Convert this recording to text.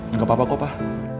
nggak apa apa kok pak